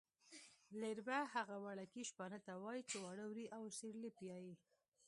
لېربه هغه وړکي شپانه ته وايي چې واړه وري او سېرلی پیایي.